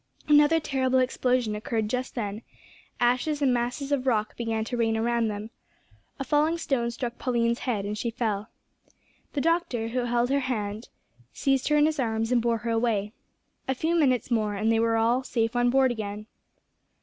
Another terrible explosion occurred just then. Ashes and masses of rock began to rain around them. A falling stone struck Pauline's head, and she fell. The doctor, who held her hand, seized her in his arms and bore her away. A few minutes more and they were all safe on board again.